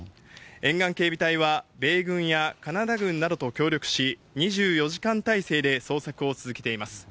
沿岸警備隊は、米軍やカナダ軍などと協力し、２４時間態勢で捜索を続けています。